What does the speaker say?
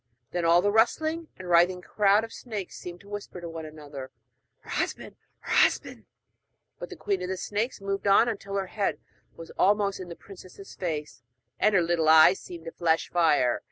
Then all the rustling, writhing crowd of snakes seemed to whisper to one another 'Her husband? her husband?' But the queen of snakes moved on until her head was almost in the princess's face, and her little eyes seemed to flash fire.